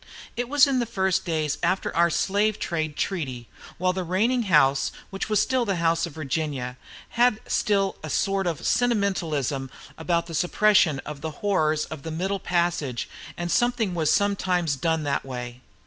It was in the first days after our Slave Trade treaty, while the Reigning House, which was still the House of Virginia, had still a sort of sentimentalism about the suppression of the horrors of the Middle Passage, and something was sometimes done that way.